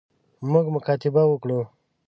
موږ مکاتبه وکړو.